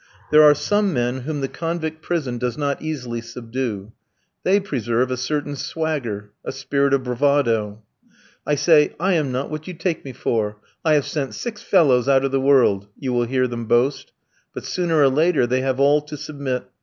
There are some men whom the convict prison does not easily subdue. They preserve a certain swagger, a spirit of bravado. "I say, I am not what you take me for; I have sent six fellows out of the world," you will hear them boast; but sooner or later they have all to submit.